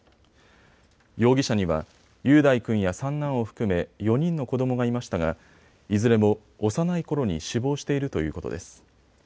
容疑者には雄大君や三男を含め４人の子どもがいましたがいずれも幼いころに死亡しているということです。